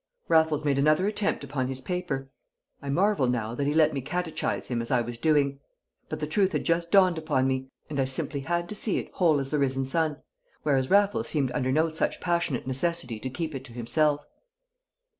Raffles made another attempt upon his paper. I marvel now that he let me catechise him as I was doing. But the truth had just dawned upon me, and I simply had to see it whole as the risen sun, whereas Raffles seemed under no such passionate necessity to keep it to himself.